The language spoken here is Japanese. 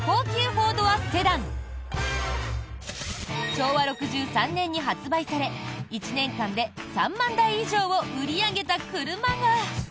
昭和６３年に発売され１年間で３万台以上を売り上げた車が。